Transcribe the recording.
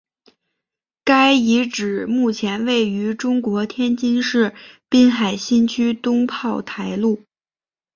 该遗址目前位于中国天津市滨海新区东炮台路。